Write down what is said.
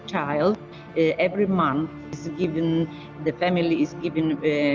yang berarti setiap anak setiap bulan